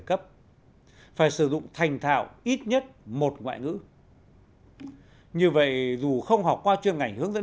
cấp phải sử dụng thành thạo ít nhất một ngoại ngữ như vậy dù không học qua chuyên ngành hướng dẫn